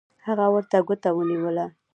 هغه ورته ګوته ونیوله